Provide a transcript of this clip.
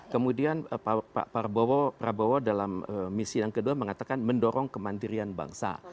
kemudian pak prabowo dalam misi yang kedua mengatakan mendorong kemandirian bangsa